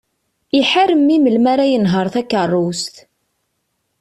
Iḥar mmi melmi ara yenher takerrust.